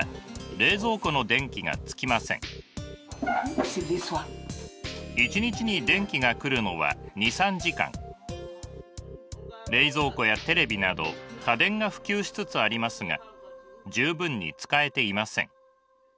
冷蔵庫やテレビなど家電が普及しつつありますが十分に使えていません。